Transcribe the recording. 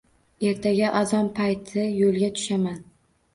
Ertaga azon payti yoʻlga tushaman.